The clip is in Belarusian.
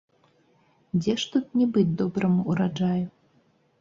Дзе ж тут не быць добраму ўраджаю?